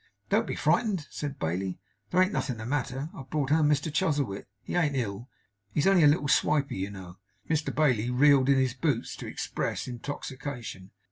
'Don't be frightened,' said Bailey. 'There ain't nothing the matter. I've brought home Mr Chuzzlewit. He ain't ill. He's only a little swipey, you know.' Mr Bailey reeled in his boots, to express intoxication.